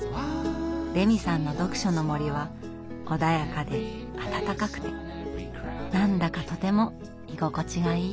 レミさんの読書の森は穏やかで温かくて何だかとても居心地がいい。